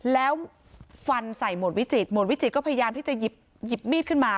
แล้วฟันใส่หมวดวิจิตหมวดวิจิตก็พยายามที่จะหยิบมีดขึ้นมา